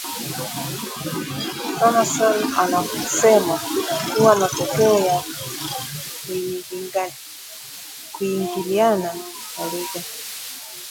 Thomason anasema kuwa matokeo ya kuingiliana kwa lugha